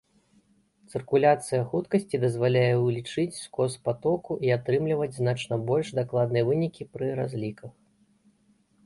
Цыркуляцыя хуткасці дазваляе ўлічыць скос патоку і атрымліваць значна больш дакладныя вынікі пры разліках.